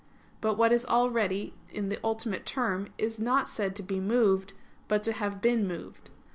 But what is already in the ultimate term is not said to be moved, but to have been moved.